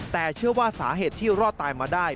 แต่เชื่อว่าสาเหตุที่รอดตายมาได้